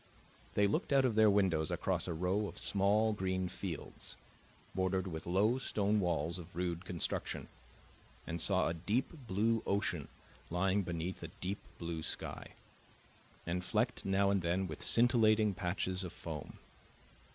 They looked out of their windows across a row of small green fields, bordered with low stone walls of rude construction, and saw a deep blue ocean lying beneath a deep blue sky, and flecked now and then with scintillating patches of foam.